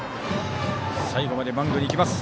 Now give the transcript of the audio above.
最後までマウンドに行きます。